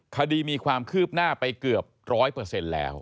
คดีมีความคืบหน้าไปเกือบ๑๐๐แล้ว